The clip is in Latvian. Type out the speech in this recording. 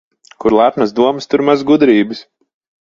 Kur lepnas domas, tur maz gudrības.